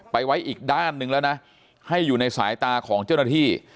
ไว้อีกด้านหนึ่งแล้วนะให้อยู่ในสายตาของเจ้าหน้าที่